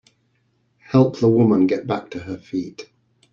Help the woman get back to her feet.